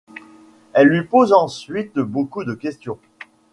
Elle lui pose ensuite beaucoup de questions.